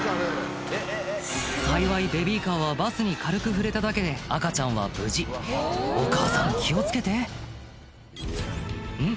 幸いベビーカーはバスに軽く触れただけで赤ちゃんは無事お母さん気を付けてん？